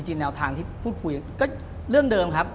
แนวทางที่พูดคุยก็เรื่องเดิมครับ